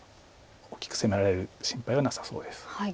大きく攻められる心配はなさそうです。